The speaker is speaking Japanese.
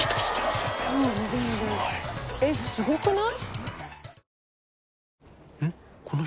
すごい。えっすごくない？